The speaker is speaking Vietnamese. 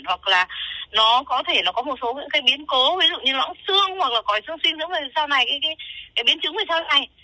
hoặc là nó có thể nó có một số những cái biến cố ví dụ như nó có xương hoặc là còi xương sinh dưỡng về sau này cái biến chứng về sau này